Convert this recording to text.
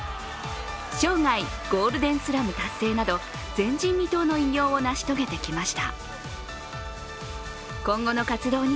生涯ゴールデンスラム達成など前人未到の偉業を成し遂げてきました。